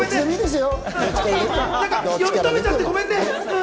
呼び止めちゃってごめんね！